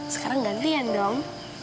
sekarang gantian dong